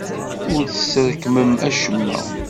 Ur tesrekmem acemma.